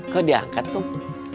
kok diangkat kum